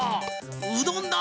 うどんだ！